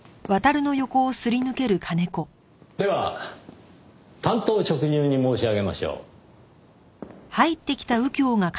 では単刀直入に申し上げましょう。